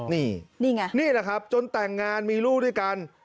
นี่นี่ไงนี่แหละครับจนแต่งงานมีลูกด้วยกัน